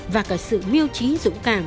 và cả sự miêu trí dũng cảm